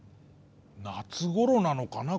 夏ごろなのかな？